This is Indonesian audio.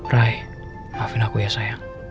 rai maafin aku ya sayang